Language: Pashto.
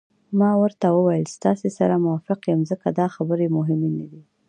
ما ورته وویل: ستاسي سره موافق یم، ځکه دا خبرې مهمې نه دي.